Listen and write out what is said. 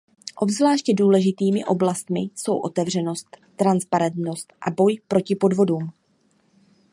Obzvláště důležitými oblastmi jsou otevřenost, transparentnost a boj proti podvodům.